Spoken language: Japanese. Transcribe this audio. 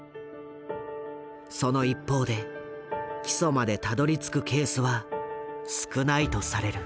その一方で起訴までたどりつくケースは少ないとされる。